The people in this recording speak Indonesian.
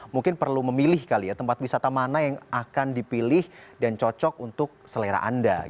mungkin perlu memilih kali ya tempat wisata mana yang akan dipilih dan cocok untuk selera anda